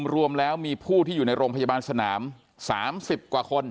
รวมแล้วมีผู้ที่อยู่ในโรงพยาบาลสนาม๓๐กว่าคน